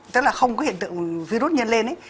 tức là không có hiện tượng virus nhân lên